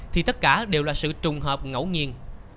thì tất cả đều là sự trùng hợp ngẫu nhiên